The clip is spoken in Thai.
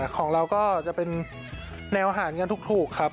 ของเราก็จะเป็นแนวอาหารกันถูกครับ